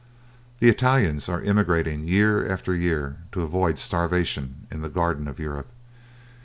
The Italians are emigrating year after year to avoid starvation in the Garden of Europe.